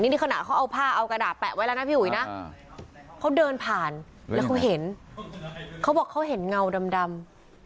นี่ขณะเขาเอาผ้าเอากระดาษแปะไว้แล้วนะพี่อุ๋ยนะเขาเดินผ่านแล้วเขาเห็นเขาบอกเขาเห็นเงาดำ